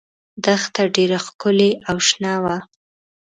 دښته ډېره ښکلې او شنه وه.